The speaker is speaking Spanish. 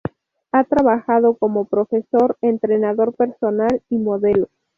Ha trabajado como profesor, entrenador personal y modelo.